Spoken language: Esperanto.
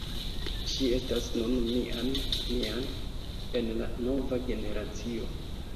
Ŝi estas kun Mian Mian en la "Nova generacio".